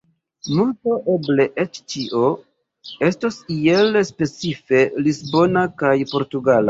Multo, eble eĉ ĉio, estos iel specife lisbona kaj portugala.